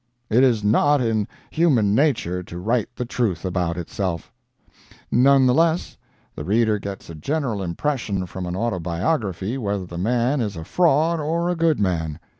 "It is not in human nature to write the truth about itself. None the less the reader gets a general impression from an autobiography whether the man is a fraud or a good man.